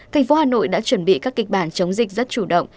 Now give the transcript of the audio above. thành phố hà nội đã chuẩn bị các kịch bản chống dịch rất chủ động